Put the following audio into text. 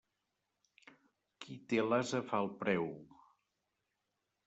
Qui té l'ase fa el preu.